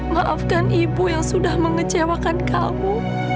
maafkan ibu yang sudah mengecewakan kamu